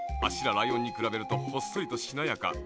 ライオンにくらべるとほっそりとしなやか。